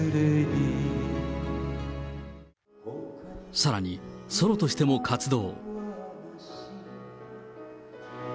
さらに、ソロとしても活動。